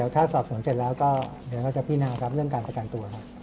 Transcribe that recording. ถ้าสอบสวนเสร็จแล้วก็เดี๋ยวเราจะพินาครับเรื่องการประกันตัวครับ